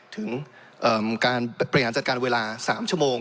ถึงการเปลี่ยนจัดการเวลา๓ชั่วโมง